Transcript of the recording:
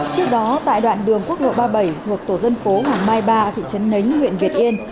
trước đó tại đoạn đường quốc lộ ba mươi bảy thuộc tổ dân phố hoàng mai ba thị trấn nấnh huyện việt yên